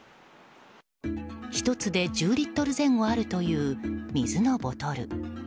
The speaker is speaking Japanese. １つで１０リットル前後あるという水のボトル。